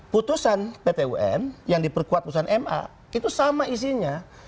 putusan pt un yang diperkuat putusan ma itu sama isinya